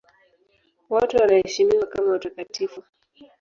Wote wanaheshimiwa kama watakatifu.